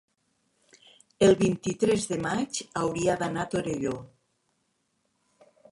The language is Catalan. el vint-i-tres de maig hauria d'anar a Torelló.